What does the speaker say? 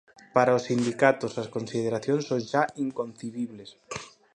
Para os sindicatos, as consideracións son xa "inconcibibles".